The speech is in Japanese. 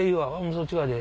そっち側で。